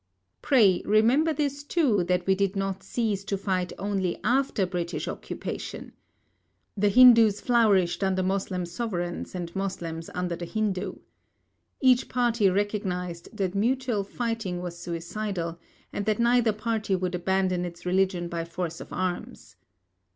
Pray remember this too, that we did not cease to fight only after British occupation. The Hindus flourished under Moslem sovereigns and Moslems under the Hindu. Each party recognised that mutual fighting was suicidal, and that neither party would abandon its religion by force of arms.